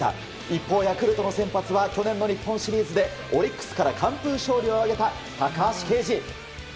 一方、ヤクルトの先発は去年の日本シリーズでオリックスから完封勝利を挙げた高橋奎二。